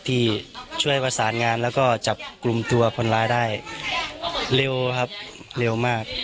ที่ช่วยประสานงานแล้วก็จับกลุ่มตัวคนร้ายได้เร็วครับเร็วมาก